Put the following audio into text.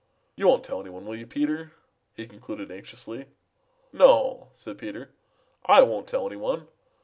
You won't tell any one, will you, Peter?" he concluded anxiously. "No," said Peter, "I won't tell any one.